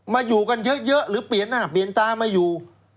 อยู่กันเยอะหรือเปลี่ยนหน้าเปลี่ยนตามาอยู่